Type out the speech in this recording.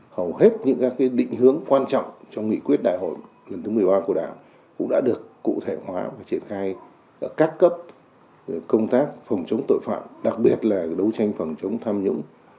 hầu hết những các định hướng quan trọng trong nghị quyết đại hội lần thứ một mươi ba của đảng cũng đã được cụ thể hóa và triển khai ở các cấp công tác phòng chống tội phạm đặc biệt là đấu tranh phòng chống tham nhũng